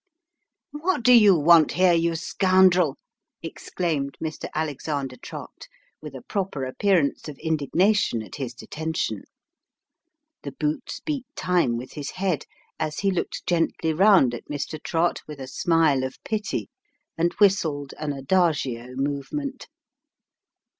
" What do you want here, you scoundrel ?" exclaimed Mr. Alexander Trott, with a proper appearance of indignation at his detention. The boots beat time with his head, as he looked gently round at Mr. Trott with a smile of pity, and whistled an adagio movement.